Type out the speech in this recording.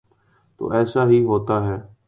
تو ایسا ہی ہوتا ہے۔